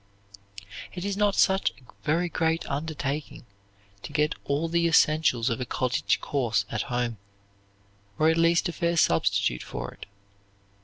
It is not such a very great undertaking to get all the essentials of a college course at home, or at least a fair substitute for it.